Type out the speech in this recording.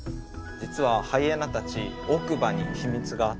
実はハイエナたち奥歯に秘密があって。